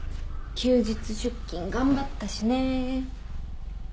休日出勤頑張ったしね。